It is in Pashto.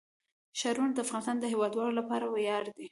ښارونه د افغانستان د هیوادوالو لپاره ویاړ دی.